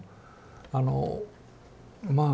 あのまあ